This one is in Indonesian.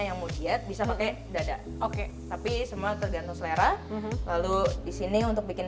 yang mau diet bisa pakai dada oke tapi semua tergantung selera lalu disini untuk bikin